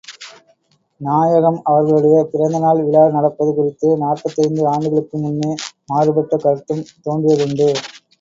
நாயகம் அவர்களுடைய பிறந்த நாள் விழா நடப்பது குறித்து நாற்பத்தைந்து ஆண்டுகளுக்கு முன்னே மாறுபட்ட கருத்தும் தோன்றியதுண்டு.